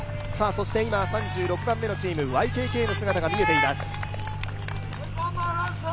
今、３６番目のチームＹＫＫの姿が見えています。